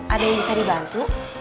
ada yang bisa dibantu